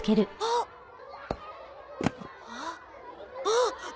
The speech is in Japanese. あっ！